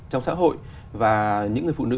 trong xã hội và những người phụ nữ